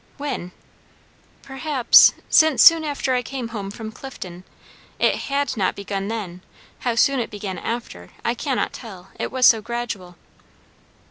"When?" "Perhaps since soon after I came home from Clifton. It had not begun then; how soon it began after, I cannot tell. It was so gradual."